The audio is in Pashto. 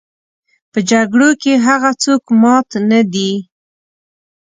په جګړو کې هغه څوک مات نه دي.